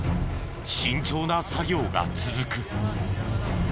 慎重な作業が続く。